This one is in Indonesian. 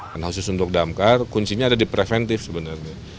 khusus untuk damkar kuncinya ada di preventif sebenarnya